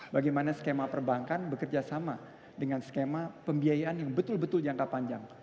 bagaimana skema perbankan bekerjasama dengan skema pembiayaan yang betul betul jangka panjang